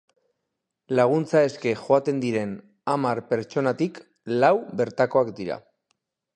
Laguntza eske joaten diren hamar pertsonatik lau bertakoak dira.